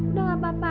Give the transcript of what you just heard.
udah gak apa apa